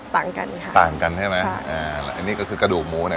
ต่างกันค่ะต่างกันใช่ไหมอ่าอันนี้ก็คือกระดูกหมูเนี้ย